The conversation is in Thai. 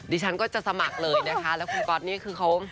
ดิฉันก็จะสมัครเลยนะคะแล้วคุณก๊อตนี่คือเขา